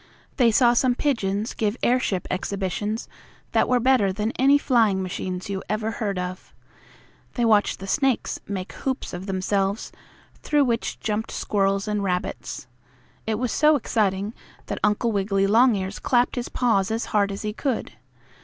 They saw some pigeons give airship exhibitions that were better than any flying machines you ever heard of. They watched the snakes make hoops of themselves, through which jumped squirrels and rabbits. It was so exciting that Uncle Wiggily Longears clapped his paws as hard as he could.